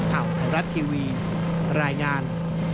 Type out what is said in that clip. ข่าวไทยรัฐทีวีรายงาน